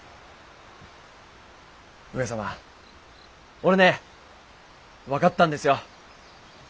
俺ね分かったんですよ。